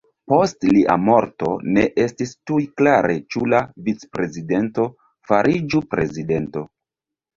Post lia morto ne estis tuj klare ĉu la vic-predizento fariĝu prezidento.